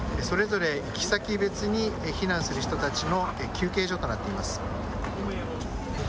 それぞれ行き先別に避難する人たちの休憩所となっています。